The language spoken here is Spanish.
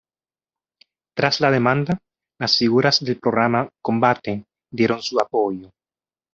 Tras la demanda, las figuras del programa "Combate" dieron su apoyo.